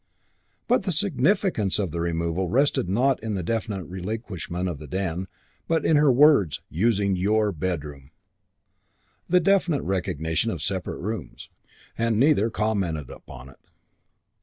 III But the significance of the removal rested not in the definite relinquishment of the den, but in her words "using your bedroom": the definite recognition of separate rooms. And neither commented upon it.